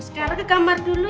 sekarang ke kamar dulu ya omah